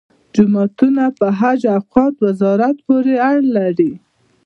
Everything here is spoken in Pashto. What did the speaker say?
جوماتونه په حج او اوقافو وزارت پورې اړه لري.